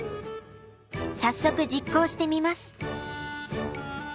早速実行してみます。